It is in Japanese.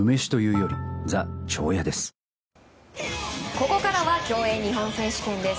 ここからは競泳日本選手権です。